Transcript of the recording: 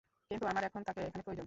কিন্তু আমার এখন তাকে এখানে প্রয়োজন!